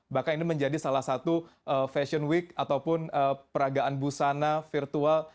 bahkan ini menjadi salah satu fashion week ataupun peragaan busana virtual